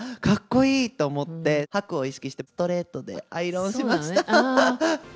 かっこいい！と思って、ハクを意識してストレートでアイロンしました。